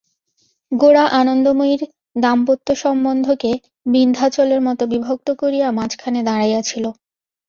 গোরা আনন্দময়ীর দাম্পত্যসম্বন্ধকে বিন্ধ্যাচলের মতো বিভক্ত করিয়া মাঝখানে দাঁড়াইয়া ছিল।